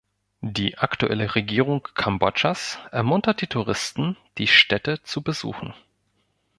Die aktuelle Regierung Kambodschas ermuntert die Touristen, die Stätte zu besuchen.